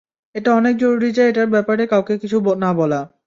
এটা অনেক জরুরি যে এটার ব্যাপারে কাউকে কিছু না বলা।